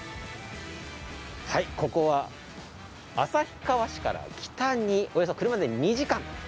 ここは旭川市から北におよそ車で２時間。